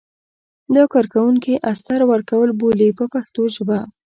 دا کار رنګوونکي استر ورکول بولي په پښتو ژبه.